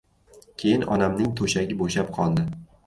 Keyin onamning to‘shagi bo‘shab qoldi.